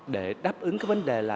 để đáp ứng cái vấn đề là